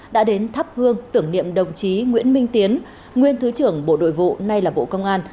đã đến thắp hương tưởng niệm đồng chí nguyễn minh tiến nguyên thứ trưởng bộ nội vụ nay là bộ công an